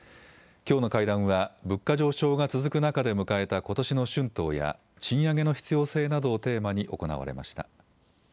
きょうの会談は物価上昇が続く中で迎えたことしの春闘や賃上げの必要性などをテーマに行われました。